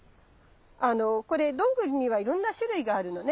これどんぐりにはいろんな種類があるのね。